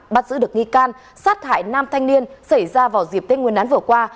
bắt giữ được nghi can sát hại năm thanh niên xảy ra vào dịp tên nguyên án vừa qua